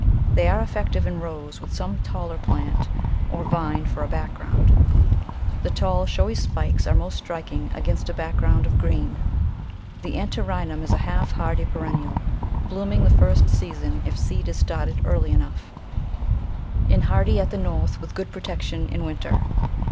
They are effective in rows with some taller plant, or vine, for a background. The tall, showy spikes are most striking against a background of green. The Antirrhinum is a half hardy perennial, blooming the first season if seed is started early enough, and hardy 9* Digitized by Google Annuals from gpeeft 99 at the North with good protection in winter.